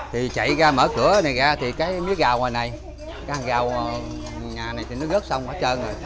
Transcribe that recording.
thì chạy ra mở cửa này ra thì cái miếng gào ngoài này cái gào nhà này thì nó rớt xong hết trơn rồi